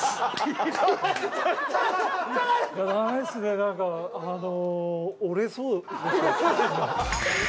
ダメですね何かあの。